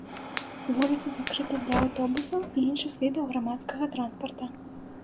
Вуліца закрыта для аўтобусаў і іншых відаў грамадскага транспарта.